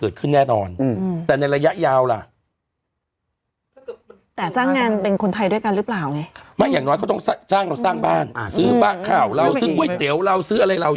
ซื้อปั้กข่าวเราซื้อก๋วยเตี๋ยวเราซื้ออะไรเรา